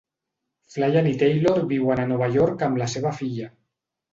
Flynn i Taylor viuen a Nova York amb la seva filla.